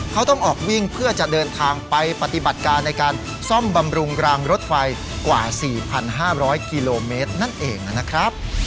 เขาต้องออกวิ่งเพื่อจะเดินทางไปปฏิบัติการในการซ่อมบำรุงรางรถไฟกว่า๔๕๐๐กิโลเมตรนั่นเองนะครับ